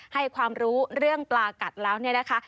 ให้ความรู้เรื่องปลากัดแล้วเนี่ยนะคะ